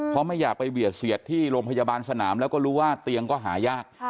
เพราะไม่อยากไปเบียดเสียดที่โรงพยาบาลสนามแล้วก็รู้ว่าเตียงก็หายาก